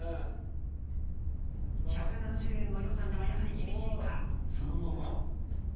１７０円の予算ではやはり厳しいのかその後も。